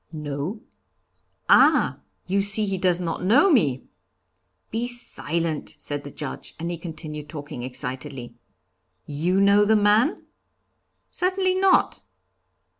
'No.' 'Ah! you see he does not know me!' 'Be silent!' said the Judge, and he continued talking excitedly: 'You know the man?' 'Certainly not.'